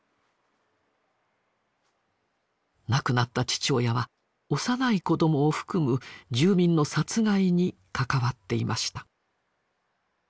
亡くなった父親は幼い子どもを含む住民の殺害に関わっていました。